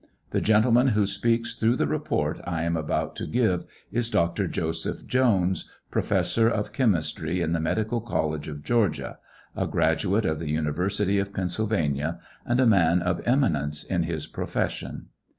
The gentleman who speaks through the report I am about to give is Dr. Joseph Jones, professor of chemis try in the medical college of Georgia, a graduate of the University of Pennsyl vania, and a man of eminence in his profession.